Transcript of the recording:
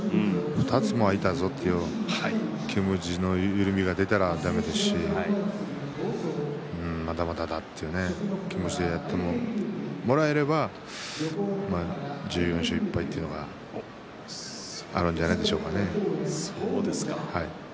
２つも開いたぞという気持ちの緩みが出たら、だめですしまだまだだぞいう気持ちでやってもらえれば１４勝１敗というのがそうですか。